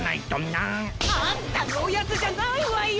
あんたのおやつじゃないわよ！